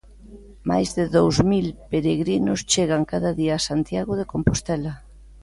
Máis de dous mil peregrinos chegan cada día a Santiago de Compostela.